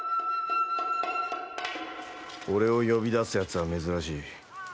俺を呼び出すやつは珍しい。